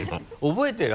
覚えてる？